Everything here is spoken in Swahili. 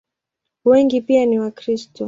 Wengi pia ni Wakristo.